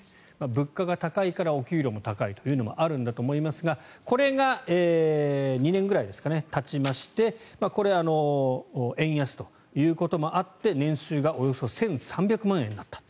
物価が高いからお給料も高いというのもあるんだと思いますがこれが２年ぐらいですかね、たちまして円安ということもあって年収がおよそ１３００万円になった。